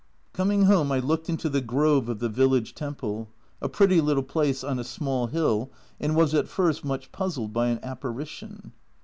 Coming home I looked into the grove of the village temple, a pretty little place on a small hill, and was at first much puzzled by an apparition.